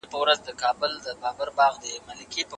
تعلیم لرونکې میندې د ماشومانو د ناروغۍ مخنیوي ته پام کوي.